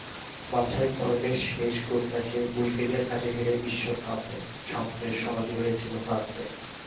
বাছাইপর্বের শেষ গ্রুপ ম্যাচে বুলগেরিয়ার কাছে হেরে বিশ্বকাপ-স্বপ্নের সমাধি হয়েছিল ফ্রান্সের।